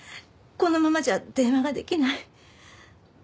このままじゃ電話ができない。